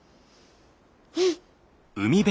うん！